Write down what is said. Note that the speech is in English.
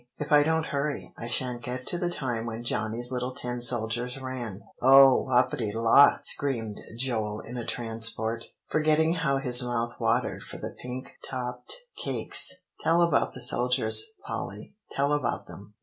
if I don't hurry, I sha'n't get to the time when Johnny's little tin soldiers ran." "Oh whoppity la!" screamed Joel in a transport, forgetting how his mouth watered for the pink topped cakes; "tell about the soldiers, Polly; tell about them."